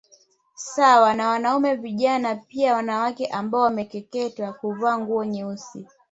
Sawa na wanaume vijana pia wanawake ambao wamekeketewa huvaa nguo nyeusi